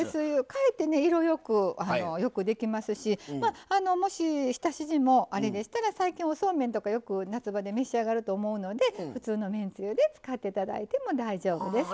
かえってね色よくよくできますしもし浸し地もあれでしたら最近おそうめんとかよく夏場で召し上がると思うので普通のめんつゆで使って頂いても大丈夫です。